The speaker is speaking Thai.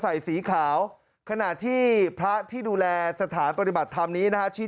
ใส่สีขาวขณะที่พระที่ดูแลสถานปฏิบัติธรรมนี้นะฮะชี้